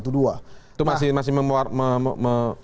itu masih memuaskan